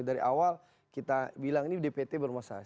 dari awal kita bilang ini dpt bermasalah